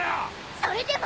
それでも！